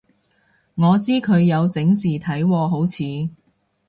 我知佢有整字體喎好似